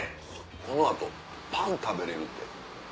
この後パン食べれるて。